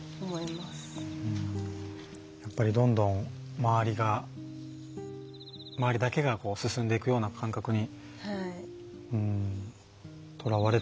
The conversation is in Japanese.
やっぱりどんどん周りが周りだけが進んでいくような感覚にとらわれてしまうんですかね。